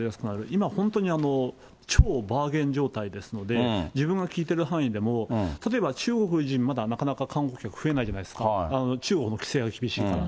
今本当に、超バーゲン状態ですので、自分が聞いてる範囲でも、例えば中国人、まだなかなか観光増えないじゃないですか、中国の規制が厳しいから。